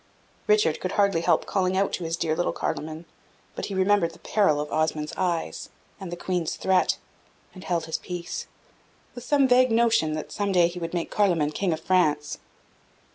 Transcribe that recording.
Richard could hardly help calling out to his dear little Carloman; but he remembered the peril of Osmond's eyes and the Queen's threat, and held his peace, with some vague notion that some day he would make Carloman King of France.